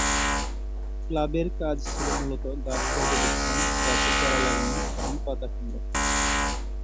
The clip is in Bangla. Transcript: ক্লাবের কাজ ছিল মূলত গাছ পর্যবেক্ষণ, গাছের চারা লাগানো এবং পাতা সংগ্রহ।